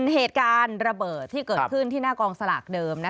เหตุการณ์ระเบิดที่เกิดขึ้นที่หน้ากองสลากเดิม